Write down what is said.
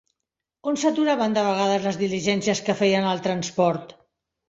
On s'aturaven de vegades les diligències que feien el transport?